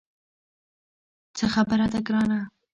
څه خبره ده ګرانه.